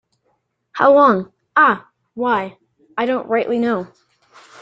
‘How long?’ ‘Ah!’ ‘Why, I don’t rightly know.